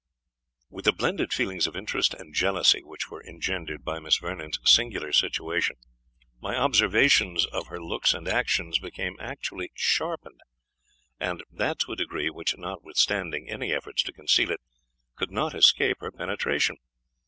With the blended feelings of interest and jealousy which were engendered by Miss Vernon's singular situation, my observations of her looks and actions became acutely sharpened, and that to a degree which, notwithstanding my efforts to conceal it, could not escape her penetration.